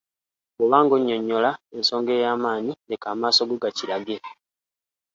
Bw’oba nga onnyonnyola ensonga ey’amaanyi leka amaaso go gakirage.